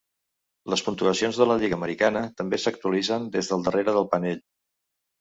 Les puntuacions de la Lliga americana també s'actualitzen des de darrere del panell.